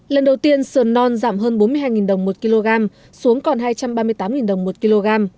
lần đầu tiên sườn non giảm hơn bốn mươi hai đồng một kg xuống còn hai trăm ba mươi tám đồng một kg